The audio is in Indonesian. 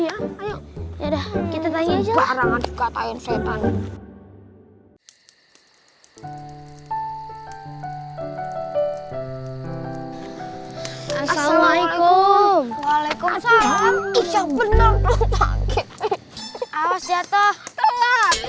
ya udah kita tanya juga tanya setan assalamualaikum waalaikumsalam